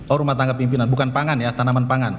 oh rumah tangga pimpinan bukan pangan ya tanaman pangan